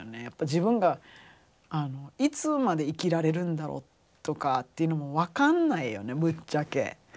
やっぱ自分があのいつまで生きられるんだろうとかっていうのも分かんないよねぶっちゃけ。